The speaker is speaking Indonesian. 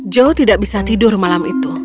joe tidak bisa tidur malam itu